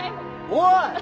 おい！